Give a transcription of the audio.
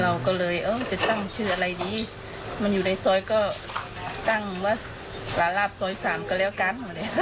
เราก็เลยเออจะตั้งชื่ออะไรดีมันอยู่ในซอยก็ตั้งวัดลาลาบซอย๓ก็แล้วกัน